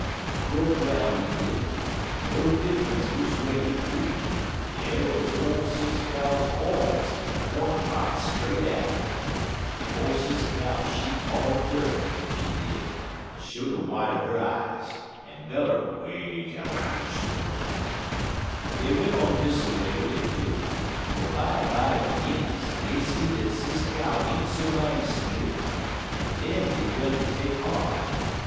He crope 'roun', he did, but no diffunce which a way he creep, dar wuz ole Sis Cow hawns p'intin' right straight at 'im. Ole Sis Cow, she paw de dirt, she did, en show de white er her eyes, en beller way down in 'er stomach. "Dey went on dis a way, dey did, twel bimeby de Guinnies, dey see dat Sis Cow ain't so mighty skeer'd, en den dey 'gun ter take heart.